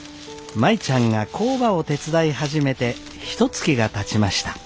舞ちゃんが工場を手伝い始めてひとつきがたちました。